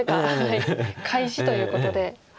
開始ということで。